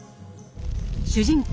主人公